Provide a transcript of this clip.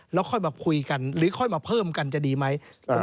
แล้วค่อยมาคุยกันหรือค่อยมาเพิ่มกันจะดีไหม